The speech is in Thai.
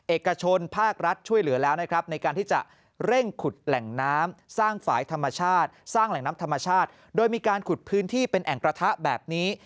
เอกชนภาครัฐช่วยเหลือแล้วนะครับในการที่จะเร่งขุดแหล่งน้ำสร้างฝ่ายธรรมชาติสร้างแหล่งน้ำธรรมชาติโดยมีการขุดพื้นที่เป็นแอ่งกระทะแบบนี้